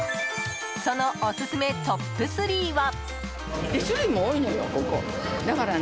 そのオススメトップ３は。